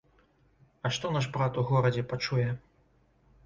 А што наш брат у горадзе пачуе?